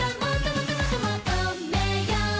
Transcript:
もっともっともっと求めよ！